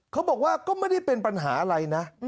เขาบอกว่าก็ไม่ได้เป็นปัญหาอะไรนะ